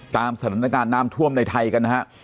ตามสถานการณ์น้ำท่วมในไทยกันนะฮะ